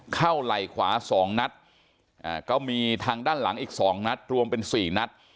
เข้าไล่ขวา๒นัดก็มีทางด้านหลังอีก๒นัดรวมเป็น๔นัด